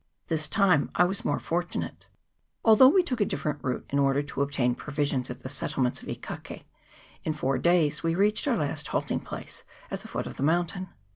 This time I was more fortunate. Although we took a different route, in order to obtain provisions at the settlements of E Kake, in four days we reached our last halting place at the foot of the mountain.